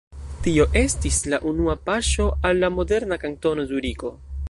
Tio estis la unua paŝo al la moderna Kantono Zuriko.